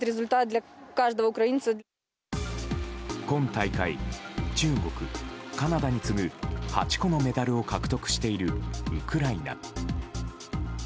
今大会中国、カナダに次ぐ８個のメダルを獲得しているウクライナ。